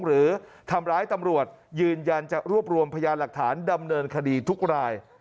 หรือทำร้ายตำรวจยืนยันจะรวบรวมพยานหลักฐานดำเนินคดีทุกราย